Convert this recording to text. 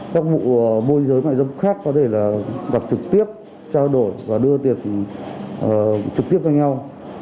các vụ môi dưới mại dâm khác có thể gặp trực tiếp trao đổi và đưa tiền trực tiếp cho nhau